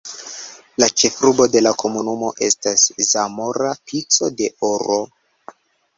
La ĉefurbo de la komunumo estas Zamora Pico de Oro.